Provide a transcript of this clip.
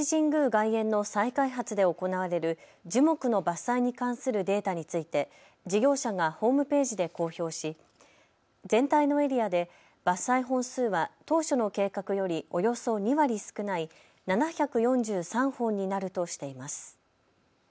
外苑の再開発で行われる樹木の伐採に関するデータについて事業者がホームページで公表し全体のエリアで伐採本数は当初の計画よりおよそ２割少ない７４３本になるとしています。